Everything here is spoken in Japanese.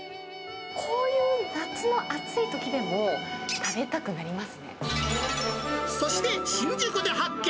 こういう夏の暑いときでも、そして、新宿で発見。